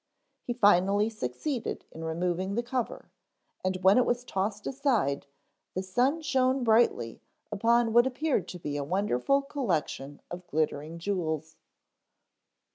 He finally succeeded in removing the cover and when it was tossed aside the sun shone brightly upon what appeared to be a wonderful collection of glittering jewels.